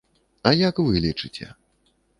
А як вы лічыце?